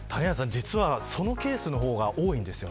実は、そのケースの方が多いんです。